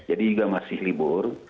jadi juga masih libur